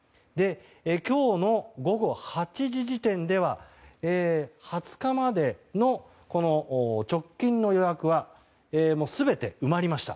今日の午後８時時点では２０日までの直近の予約は全て埋まりました。